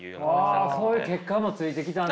そういう結果もついてきたんだ。